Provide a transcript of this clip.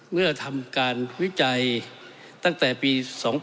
เมื่อทำการวิจัยตั้งแต่ปี๒๕๖